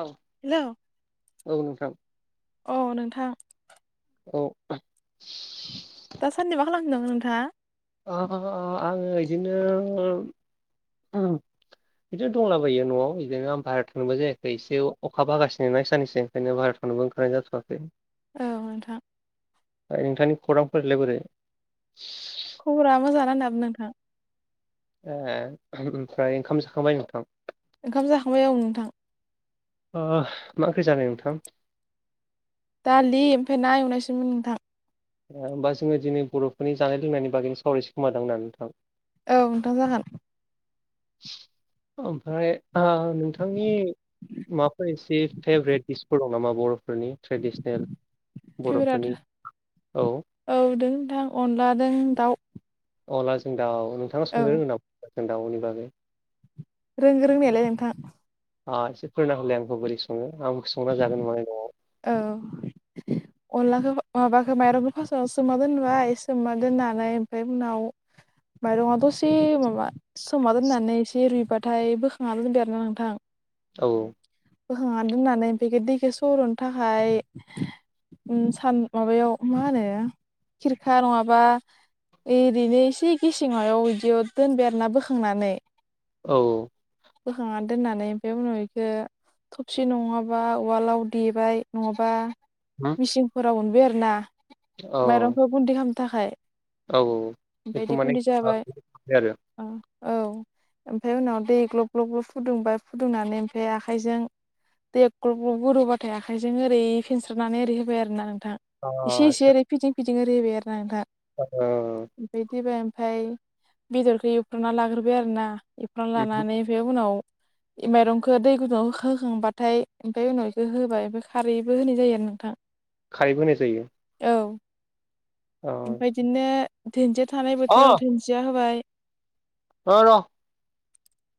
औ हेलौ औ नोंथां औ नोंथां औ दा सानदिबा खालामगदों नामा नोंथा आङो बिदिनो [inaudible] बिदिनो दंलाबायो न'आव बिदिनो आं बाहेरायाव थांनायबो जायाखै एसे अखा बोहागासिनो ना सानैसो ओखायनो बाहेरायावावबोओंखार जाथवाखै औ नोंथां नोंथांनि खौरांफोरलाय बोरै खबरा मोजानो दाबोन नोंथां ए ओमफ्राय ओंखाम जाखांबाय नोंथां ओंखाम जाखांबाय ओं नोंथां ओ मा ओंख्रै जानाय नोंथां दालि ओमफ्राय ना एवनायसोमोन नोंथां ओ होमबा जोङो दिनै बर'फोरनि जानाय लोंनायनि बागैनो सावरायसै खोमादांना नोंथां औ नोंथां जागोन ओमफ्राय आ नोंथांनि माबाफोर एसे फेभ्रेट दिसफोर दं नामा बर'फोरनि ट्रेडिसनेल बर'फोरनि औ औदोंोंथां अनला द दाउ अला जों दाउ नोंथांना औ संनो रोंङो नामा जों दाउनि बागै रों रोंनायालाय नोंथां आ एसे फोरना हलाय आंखौ बोरै सङो आं संना जागोन नान नङ औ अनलाखौ माबाखौ माइरंखौ फास्स् सोमा दोनबाय सोमा दोननानै ओमफ्राय उनाव माइरंआ दसेमाबा समा दोननानै एसे रुइबाथाय बोखांनानै दोनबाय आरोना नोंथां औ औ बोखांना दोननानै ओमफाय इखो दैखौ सर'नो थाखाय उम सान माबायाव मा होनो खिरखा नङाबा एरैनो इसे गेसेङाव बिदियाव दोनबेरना बोखांनानै औ बोखांनानै दोननानै ओमफ्राय उनाव बेखौ थबसि नङाबा उवालाव दे बाय नङाबा होम सिंफोराव उनबाय आरोना औ माइरंखौ गुन्दै खालामनो थाखाय औ बेखौ ओमफायदि माने गुन्दै जाबाय आरो ओ औ ओमफ्राय उनाव दै ग्लब ग्लब फुदुंबाय फुदुंनानै ओमफ्राय आखाइजों देया ग्ल ग्ल गुरुबाथाय आखाइजों ओरै फेनस्रोनानै ओरै होबाय आरोना नोंथां अ इसे एसे आदसा ओरै फिदिं फिदिं ओैरै होबाय आरोना नोंथां ओ ओमफाय फैबाय ओमफ्राय बेदरखौ एवफ्रामना लाग्रोबाय आरोना एवफ्रामना उमहो लानानै ओमफ्राय उनाव माइरंखौ दै गुदुंआव होखा होखांबाथाय ओमफ्राय उनाव ओ होबाय बे खारैबो होनाय जायो आरो नोंथां खारैबो होनाय जायो औ अ ओमफ्राय बिदिनो दुनदिया थानाय अ बोथोराव दुुनदिया होबाय अ र'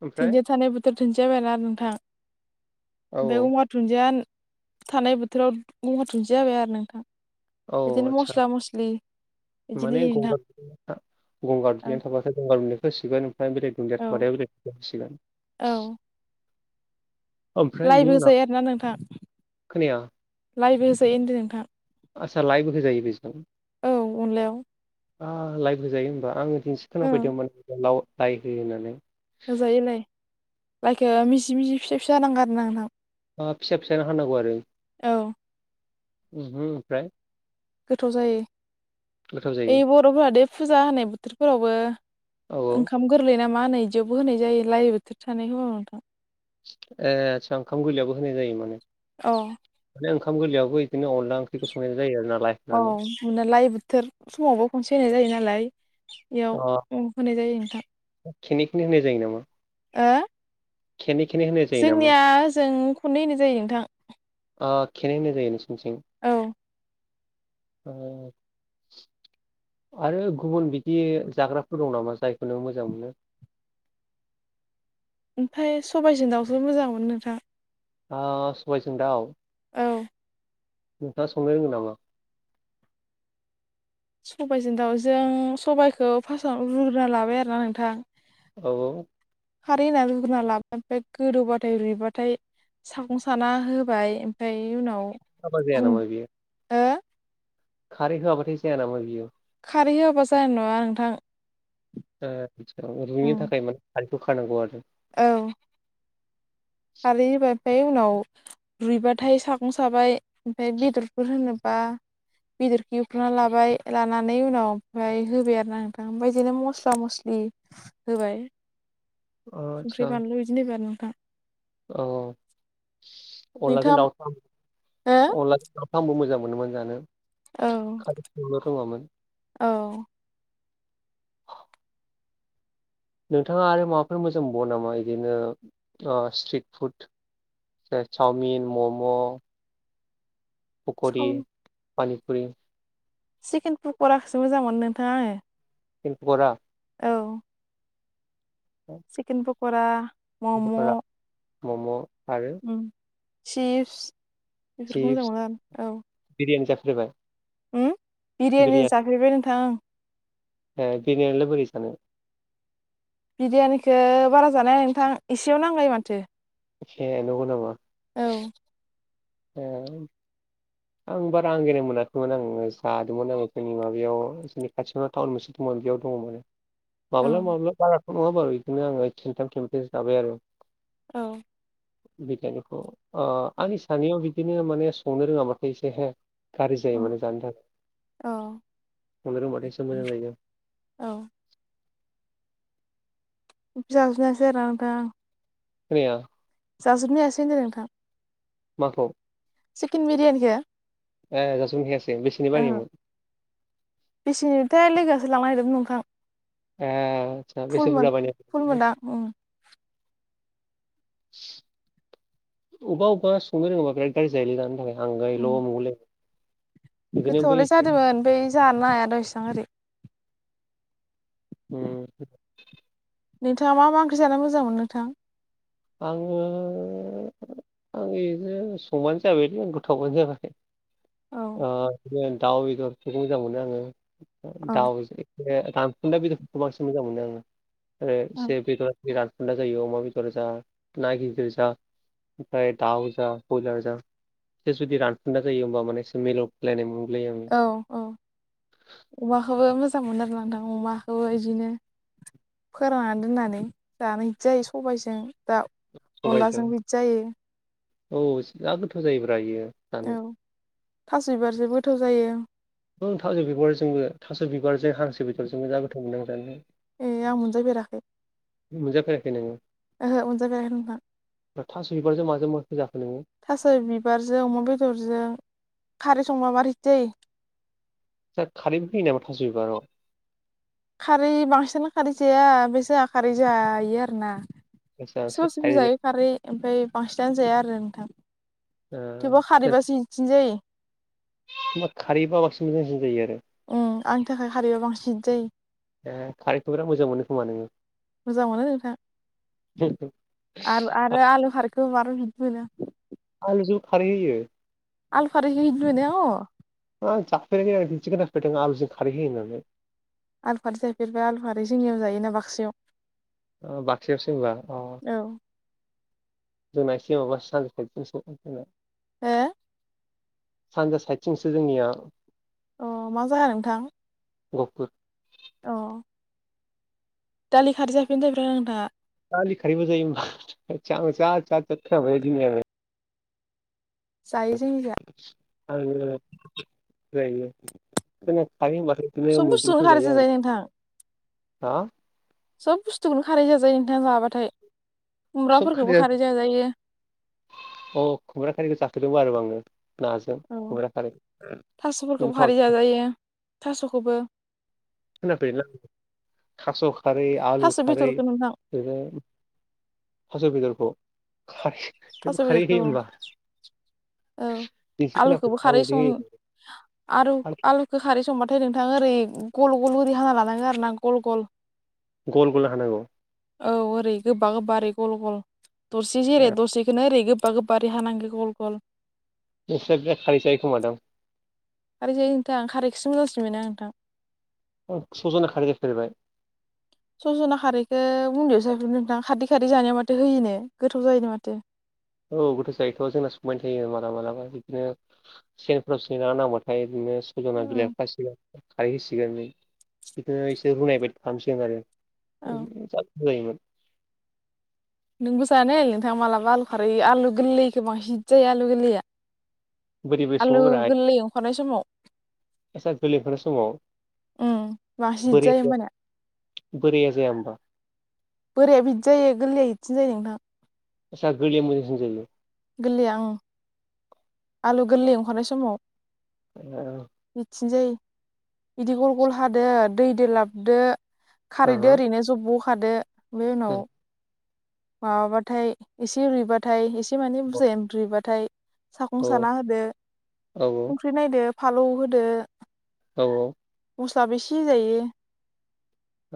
ओमफ्राय धोनदिया थानाय बोथ थोद धोनदिया होबाय आरोना नोंथां औ ओमफ्राय गंगार धुनदिया नो थानाय बोथोराव गंहार थुनदिया होबाय आरो नोंथां औ बेदिनो आदसा मस्ला मसलि माने गंगार दुनदिया गंगार दुन्दिया औ थाबाथाय गंगार दुन्दियाखौ होसिगोन ओम फ्राय बेलेग दुन्दिया औ थाबाथाय बेलेग दुन्दिया होसिगोन औ ओमफ्राय बिनि लाइबो उनाव होजायो आरोना नोंथां खोनाया लाइबो होजायो होनदो नोंथां आस्सा लाइबो होजायो बेजों औ अनलायाव ओ लाइबोहोजायो होमबा आङो दिनैसो खोना ओं फेरदोंमोन लाव लाइ होयो होननानै होजायो लाय लाइखो मिजि मिजि फिसा फिसा हानांगौ आरोना नोंथां ओ फिसा फिसानो हाननांगौ आरो औ ओमहो ओमफ्राय गोथाव जायो गोथाव जायो ओइ बर'फोरा दे फुजा होनाय बोथोरफोरावबो औ ओंखाम गोरलै ना मा होनो इदियावबो होनाय जायो लाय बोथोर थानाय समाव नोंथां। ए आच्छा ओंखाम गोरलयबो होनाय जायो माने। औ माने ओखाम गोरलयबो बिदि अनला ओंख्रिखौ संनाय जायो नालाय। औ मोनालाय बोथोर समावबो खनसे होनाय जायो नालाय बेयाव उम होनाय जायो नोंथां। खिनिखिनि होनाय जायो नामा? ओ खेनि खेननै होनो जोंनियाओजों खननै होननाय जायो नोंथां ओ खेननै होनाय जायो नोंसिनिथिं औ ओ आरो गुबुन बिदि जाग्राफोर दं नामा जायखौनो मोजां मोनो ओमफ्राय सबायाइजों दाउजो मोजां मोनो नोंथां ओ सबायजोंं दाउ औ नोंथाङा संनो रोङो नामा? सबायाइजों दाउजों सबायाइखौ फासाव रुग्रोना लाबाय आरोना नोंथां। औ औ खारै होननानै रुग्रोना लाबाय ओमफ्राय गोदौबाथाय रुइबाथाय सागं साना होबाय ओमफ्राय उनाव [unintelligible] बेयो हो खारै होआ बाथाय जाया नामा बियो? खारै होआबा जानाय नङा नोंथां। ओ [unintelligible] थाखाय खारैखौ होखानांगौ आरो औ खारै होबाथाय उनाव रुइबाथाय सागं साबाय ओमफ्राय बेदरफोर होनोबा बेदरखो एवफ्रांना लाबाय लानानै उनाव ओमफ्रायाय होबाय आरोना नोंथां ओमफ्राय बिदिनो मस्ला मस्लि [unintelligible] होबाय अ संख्रि आटसा बानलु बिदिनो होबाय आरो नोंथां औ औ [inaudible] अनलाजों नोंथाङा दाउजों अनलाजों दाउखौ आंबो मोजां मोनोमोन जानो। औ खारै संनो रोङामोन औ नोंथाङा आरो माबाफोर मोजां मोनबावो नामा इदिनो ओ स्ट्रिट फुड? ओ चाउमिन म'म' फखरि साम पानिफुरि चिकेन पकराखोसो मोजां मोनो नोंथां आङो चिकिन पकरा औ चिकिन पक'रा मम' पकरा मम' [unintelligible] आरो सिप्स बेफोरखौ मोजां चिप्स मोनो औ बिरियानि जाफेरबाय? उम बिरियानि जाफैबाय नोंथांं ओं ओ बिरियानिया बोरै जानो? बिरियानिखो बारा जानो हाया नोंथां एसेयावनो आंगायो माथो। हे नंगौ नामा? औ ओं आं बारा आंगायनाय मोनाखैमोन आं जादोंमोन आं जोंनि माबायाव जोंनि खाथियावनो टाउन मोनसे दमोन बेयाव दङ मोन। माब्ला माब्ला बाराथ नङा बारु इदिनो आङो खेनथाम खेनब्रै जाबाय आरो औ बिगियानिखौ ओ आंनि सानैयाव बिदिनो माने संनो रोङाबाथाय एसे हे गाज्रि जायो माने जानो था ओमफ्राय रोंबाथायसो मोजां जायो औ जाजोबनो हायासै [unintelligible] जाजोबनो हायासै होनदो नोंथां। माखौ? चिकेन बिरियनिखो ओ बेसेननि बायोमोन बेसेनिथाय लोगोसो लांनो नागिरदोंमोन नोंथां ए आसा बेसे फुलमोन बुरजा बायनो हाखो फुलमोनदां उम अबेबा अबेबा संनो रोङोबा बिराद गाज्रि जायोलै दानो थाखाय आंगायल' नंगौलै गोथावालाय जादोंमोन बै जानो हाया दा एसबां ओरै उम नोंथाङा मा मा ओंख्रि जानो मोजां मोनो नोंथां आङो आं इदिनो संबानो जाबायलै आ गोथावबानो जाबाय औ ओ बिदि दाउ बेदरफोरखौ मोजां मोनो आङो औ दाउ ना बेदरखौ बांसिन मोजां मोनो आङो आरो एसे बेदर बे रानखुन्दा जायो अमा बेदरा जा ना गिेदिर जा ओमफाय दाउ जा बयलार जा बे जुदि रानफुदा जायो होमबा माने एसे मिलौफ्लेलायनाय मोनगु लायो आं औ औ अमाखौबो मोजां मोनो आरो ना नोंथां अमाखौबो बिदिनो फोराननानै दोननानै जानो बिदि जायो सबायजों दाउ सबायजों अनलाजों बिदि जायो औ जा गोथाव जायोब्रा बियो जानो औ थास बिबारजोंबो गोथाव जायो ओं थास' बिबारजोंबो थास' बिबारजों हांसो बिदरजोंबो जा गोथाव मोनो आं जानो ए आं मोनजाफेराखै मोनजाफेराखै नोङो ओहो मोनजाफेराखै नोंथां ओ थास बिबारजों माजों माखौ जाखो नोङो थास' बिबारजों अमा बेदरजों खारै संब्ला मारैथो जायो थोद खारैबो होयो नामा थास बिबाराव खारै बांसिनानो खारै जाया बे जोहा खारै जायो आरोना सम सम जायो खारै ओमफ्राय बांसिनानो जाया आरो नोंथां ओ थेबाव सोरबा खारैबासो हिटसिन जायो खारैबा बांसिन मोजांसिन जायो आरो आंनि थाखाय खारैबा बांसिन हिद जायो ए खारैखौ बिराद मोजां मोनो खोमा नोङो मोजां मोनो नोंथां आलु आं आरो आलु खारैखौ मार मोनो आलु जौ खारै हैयो आलु खारै हिद मोनो अ ओं जाफेराखै आंङो दिनैसो खोनाफेरदों आलुजों खारै होयो होननानै आलू खारै जायोबा आलु खारै जोंनियाव जायोना बाक्सायाव ओ बाक्सायावसो होमबा अ औ जोंना एसे माबासो जायो एवखाम सावखाम हो सानजा साइदथिंसो जोंनिया अ मा जाया नोंथां गहफुर औ दालि खारै जाफेरदो ना जाफेरा नोंथाङा दालि खारिबो जायो होमबा होद जाम जाद जाद खोनाबायलै दिनै आङो जायो जोंनिजा। आङो बिदिनो सब बुस्थुआवनो मैद्रुफोर खारैजों आरो जायो ना। नोंथां हा सब बुस्थुखौनो खारै जाजायो नोंथाङा जाबाथाय सब खुमब्राफोरखौबो जाजोबो। खारै जाजायो अ खुमब्रा खारिखौ जाफेरदोंमोन आरोबा आङो नाज औ औ थास'फोरखौबो गोथाव खारैजों जाजायो थास'खौबो [unintelligible] थास' खारै आलु थास' खारै बेदरखौ नोंथां [unintelligible] थास' बेदरखौ खारै थास' बेयावबो खारै बेदरखौ होयो होमबा औ दिनैसो आलुखौबो खोनाफेरदों आं खारै बिदि सं होयो आरु आलु होखारै संबाथाय नोंथाङा ओरै गल गल ओरै हाना लानांगौ आरो ना गल गल गल गल हानांगौ औ ओरै गोबा गोबा ओरै गल गल दरसे जेरै ए दरसेखौनो ओरै गोबा गोबा गोबा ओरै हानांगौ गल गल नोंस्रा बिराद खारै जायो खोमा दं खारै जायो नोंथां खारैखौसो मोजांसिनमोनो आं नोंथां स'जना खारै जाफेरबाय सजना खारैखौ उन्दैआवसो [inaudible] नोंथां खारदै खारै जानायाव माथो होयोनो गोथाव जायोनो माथो औ गोथाव जायोथ' जोंना संबायानो थायो मालाबा मालाबा बिदिनो सेनफ्राव सेना ना नांबाथाय बिदिनो सजना बिलाइ खासिगोन खारै होसिगोन बिदिनो इसे रुनाय बायदि खालामसिगोन आरो औ [inaudible] जायोमोन नोंबो जानाय नोंथां मालाब आलु खारै आलु गोरलै गोबां हिट जायो आलु गोरलैया बोरै बोरै सङो आलु गोरलै ओंखारनाय समाव साख्रि लिंफनाय समाव उम बांसिन हिट बोरै जायो होमबानिया बोराया जाय होमबा बोराया हिट जायो गोरलैया हिटसिन जायो नोंथां आदस‌ गोरलैया मोजांसिन जायो गोरलैया ओं आलु गोरलै ओंखारनाय समाव ओ हिटसिन जायो बिदि गल गल हादो दै दो लाबोदो ओहो खारैजों ओरैनो जब्ब होखादो बे औ उनाव माबाबाथाय एसे रुइबाथाय एसे माने बुरजाया रुइबाथाय साखं साना होदो औ संख्रि नायदो फानलौ होदो औ औ मल्साबो एसे होजायो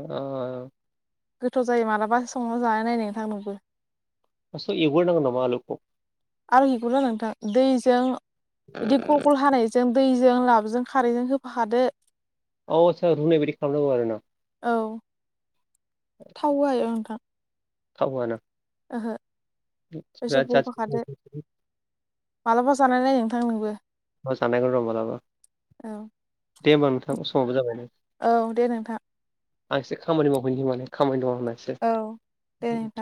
अ- गोथाव जायो मालाबा संनानै जानाय नाय नोंथां नोंबो फारस्थआव एवग्रो नांगोन नामा आलुखौ [inaudible] नोंथां दैजों बिदि ग गल हानाय दैजों लाबजों खारैजों होफाखादो औ आदसा रुनाय बायदि खालामनांगौ आरो ना औ थाव होआ इआव नोंथां थाव होआना ओहो [inaudible] होफाखादो मालाबा जानाय नाय नोंथां नोंबो जानायगोन र मालाबा औ दे होमबा नोंथां समाबो जाबाय औ दे नोंथां आं एसे खामानि मावहैनो माने‌ खामानि दं आंना एसे। औ दे नोंथां